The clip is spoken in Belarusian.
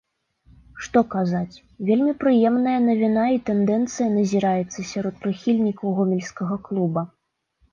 Што казаць, вельмі прыемная навіна і тэндэнцыя назіраецца сярод прыхільнікаў гомельскага клуба.